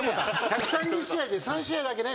１３０試合で３試合だけね。